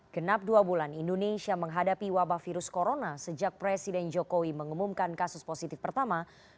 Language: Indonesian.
genap dua bulan indonesia menghadapi wabah virus corona sejak presiden jokowi mengumumkan kasus positif pertama